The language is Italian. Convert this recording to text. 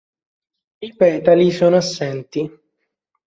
I petali sono assenti.